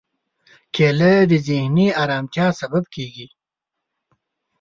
کېله د ذهني ارامتیا سبب کېږي.